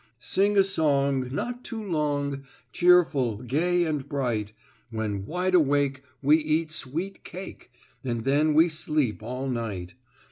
"Sing a song Not too long, Cheerful, gay and bright. When wide awake We eat sweet cake, And then we sleep all night.